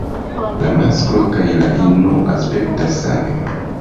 La masklo kaj la ino aspektas same.